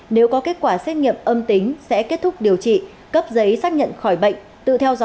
nếu có kết quả xét nghiệm âm tính sẽ kết thúc điều trị cấp giấy xác nhận khỏi bệnh